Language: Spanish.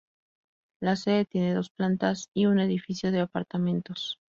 La sede tiene dos plantas y un edificio de apartamentos.